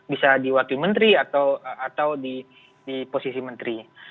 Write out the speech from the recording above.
bisa diwakil menteri atau di posisi menteri